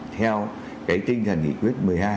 theo cái tinh thần nghị quyết một mươi hai